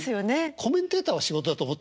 コメンテーターは仕事だと思ってる。